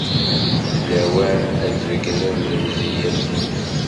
D lawan ad d-tbeyyneḍ lemziya-k.